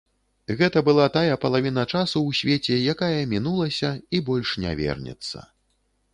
Гэта была тая палавіна часу ў свеце, якая мінулася і больш не вернецца.